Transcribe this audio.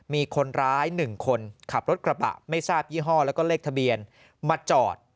มีคนร้าย๑คนขับรถกระบะไม่ทราบยี่ห้อแล้วก็เลขทะเบียนมาจอด